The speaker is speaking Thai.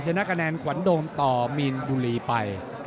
ชนะคะแนนขวัญโดมต่อมีนบุรีไป